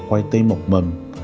khoai tây mọc mầm